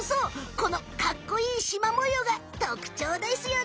このかっこいいシマ模様がとくちょうですよね！